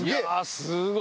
すごい！